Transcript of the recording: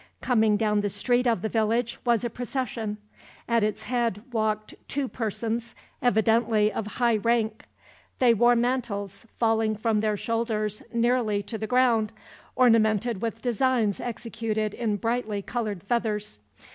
Coming down the street of the village was a procession. At its head walked two persons, evidently of high rank. They wore mantles, falling from their shoulders nearly to the ground, ornamented with designs executed in brightly colored feathers.